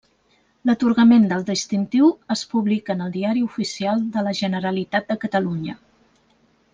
L'atorgament del Distintiu es publica en el Diari Oficial de la Generalitat de Catalunya.